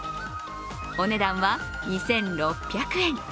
お値段は２６００円。